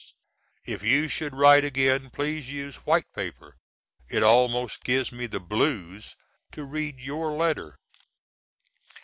If you sh^d write again, please use white paper; it almost gives me the "blues" to read your letter.